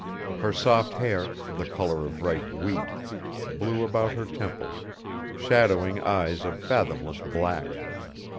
Her soft hair, the color of ripe wheat, blew about her temples, shadowing eyes of fathomless black.